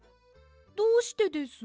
どうしてです？